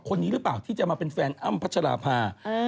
คนนี้หรือเปล่าที่จะมาเป็นแฟนอ้ำพัชราภา